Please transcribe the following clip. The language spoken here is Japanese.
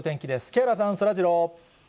木原さん、そらジロー。